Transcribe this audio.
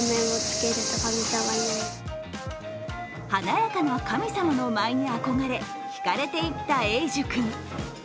華やかな神様の舞に憧れひかれていった栄樹君。